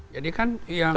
jadi kan yang